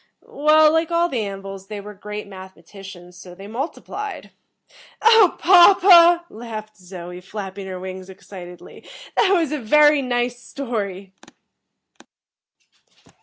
"Well, like all the An vils, they were great mathematicians. So, they multiplied." "Oh, papa," laughed Zoe, flapping her wings excitedly, "that was a very nice story!"